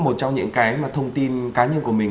một trong những cái mà thông tin cá nhân của mình